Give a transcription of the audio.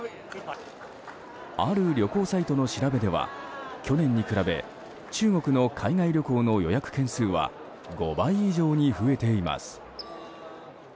ある旅行サイトの調べでは去年に比べ中国の海外旅行の予約件数は５倍以上に増えています。